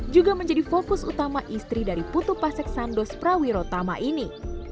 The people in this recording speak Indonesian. juga menjadi fokus utama istri dari putu pasek sandos prawirotama ini